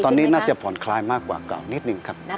ตอนนี้น่าจะผ่อนคลายมากกว่าเก่านิดนึงครับ